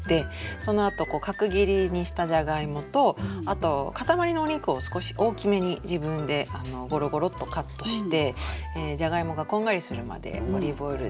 そのあと角切りにしたじゃがいもとあとかたまりのお肉を少し大きめに自分でゴロゴロッとカットしてじゃがいもがこんがりするまでオリーブオイルで。